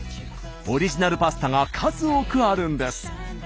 オリジナルパスタが数多くあるんです。